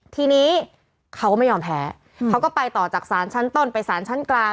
ทีนี้เขาก็ไม่ยอมแพ้เขาก็ไปต่อจากศาลชั้นต้นไปสารชั้นกลาง